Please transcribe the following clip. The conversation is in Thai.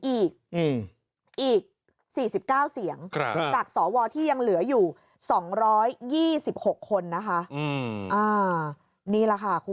อีก๔๙เสียงจากสวที่ยังเหลืออยู่๒๒๖คนนะคะนี่แหละค่ะคุณ